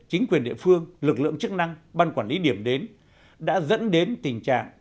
chính quyền địa phương lực lượng chức năng ban quản lý điểm đến đã dẫn đến tình trạng